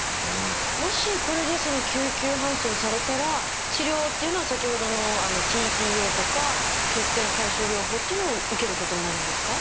もしこれで救急搬送されたら治療っていうのは先ほどのｔ−ＰＡとか血栓回収療法っていうのを受けることになるんですか？